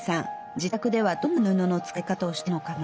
自宅ではどんな布の使い方をしてるのかな？